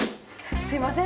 すみません